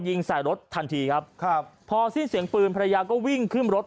ยิงใส่รถทันทีครับครับพอสิ้นเสียงปืนภรรยาก็วิ่งขึ้นรถ